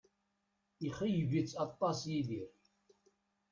Ixeyyeb-itt aṭas Yidir